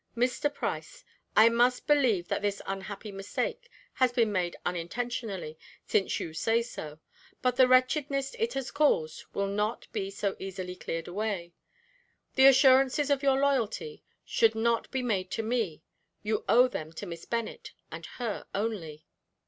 "Mr. Price, I must believe that this unhappy mistake has been made unintentionally, since you say so, but the wretchedness it has caused will not be so easily cleared away. The assurances of your loyalty should not be made to me, you owe them to Miss Bennet and her only."